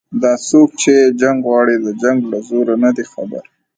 دا څوک چې جنګ غواړي د جنګ له زوره نه دي خبر